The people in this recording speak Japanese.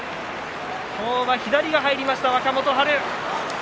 今日は左が入りました、若元春。